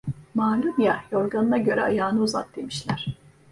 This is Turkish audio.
Malum ya, yorganına göre ayağını uzat demişler.